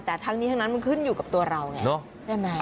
แต่ทั้งนี้ทั้งนั้นมันขึ้นอยู่กับตัวเราไงใช่ไหม